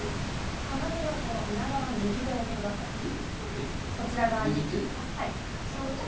鏡の裏側に右手を置いてください。